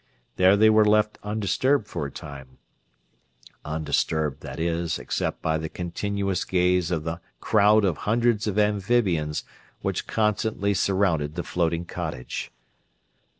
There they were left undisturbed for a time undisturbed, that is, except by the continuous gaze of the crowd of hundreds of amphibians which constantly surrounded the floating cottage.